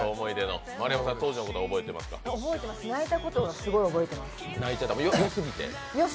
覚えてます、泣いたことはすごい覚えてます。